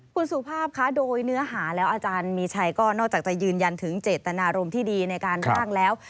คุณสุภาพคะโดยเนื้อหาแล้วอาจารย์มีชัยก็นอกจากจะยืนยันถึงเจตนารมณ์ที่ดีในการร่างแล้ว